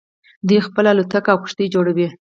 دوی خپله الوتکې او کښتۍ جوړوي.